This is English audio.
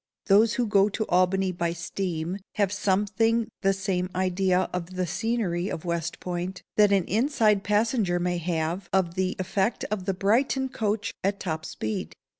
Those who go to Albany by steam have something the same idea of the scenery of West Point, that an inside passenger may have of the effect of the Brighton coach at top speed.